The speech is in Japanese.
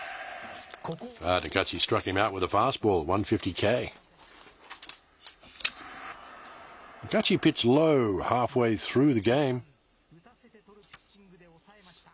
仲地は中盤、打たせて取るピッチングで抑えました。